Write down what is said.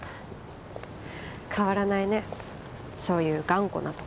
変わらないねそういう頑固なとこ。